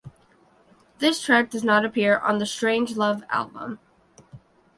This track does not appear on the "Strangelove" album.